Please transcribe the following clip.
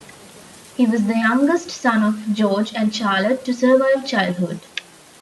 He was the youngest son of George and Charlotte to survive childhood.